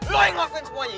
lo yang ngelakuin semuanya